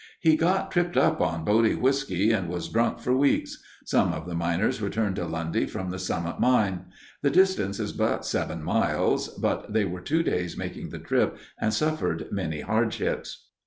"He got tripped up on Bodie whisky and was drunk for weeks. Some of the miners returned to Lundy from the Summit Mine. The distance is but seven miles, but they were two days making the trip and suffered many hardships."